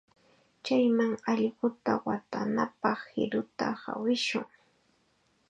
Chayman allquta watanapaq qiruta hawishun.